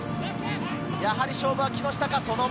やはり勝負は木下か。